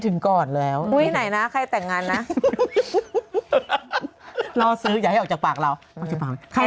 ถึงก่อนแล้วอุ้ยไหนนะใครแต่งงานนะรอซื้ออย่าให้ออกจากปากเรามาถึงใคร